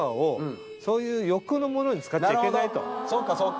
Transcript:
そうかそうか。